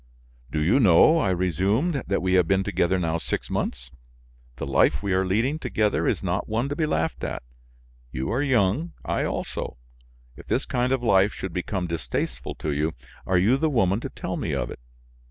"Do you know," I resumed, "that we have been together now six months. The life we are leading together is not one to be laughed at. You are young, I also; if this kind of life should become distasteful to you, are you the woman to tell me of it?